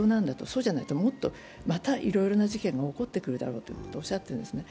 そうじゃないとまた、いろいろな事件が起こってくるだろうとおっしゃってます。